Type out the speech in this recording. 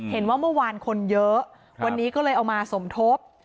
เห็นว่าเมื่อวานคนเยอะวันนี้ก็เลยเอามาสมทบ